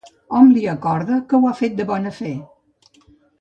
Hom li acorda que ho ha fet de bona fe.